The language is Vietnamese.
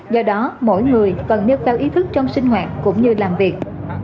do đó mỗi người cần nêu cao ý thức trong sinh hoạt cũng như làm việc